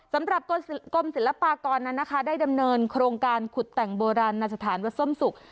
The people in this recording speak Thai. สำหรับกรมศิลปากรนั้นนะคะได้ดำเนินโครงการขุดแต่งโบราณนาสถานวัดส้มสุก